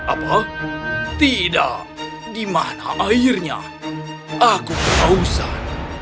apa tidak dimana airnya aku kerausan